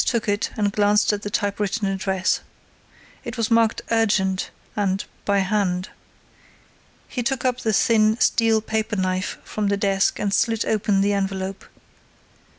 took it and glanced at the typewritten address. It was marked "urgent" and "by hand." He took up the thin, steel, paper knife from the desk and slit open the envelope.